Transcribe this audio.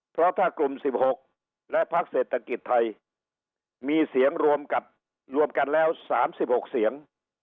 เพราะถ้ากลุ่มสิบหกและภาคเศรษฐกิจไทยมีเสียงรวมกับรวมกันแล้วสามสิบหกเสียง